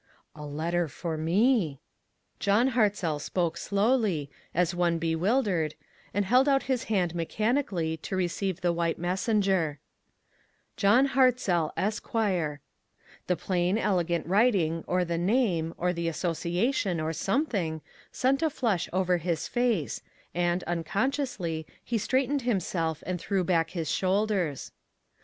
"A letter for me !" John Hartzell spoke slowly, as one bewil "LABORERS TOGETHER. 231; dered, and held out his hand mechanically to receive the white messenger* "John Hartzell, Esq." The plain, elegant writing, or the name, or the association, or something, sent a flush over his face, and unconsciously, he straight ened himself, and threw back his shoulders.